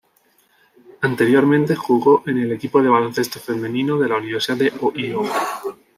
Anteriormente jugó en el equipo de baloncesto femenino de la Universidad de Ohio.